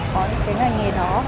có những cái ngành nghề đó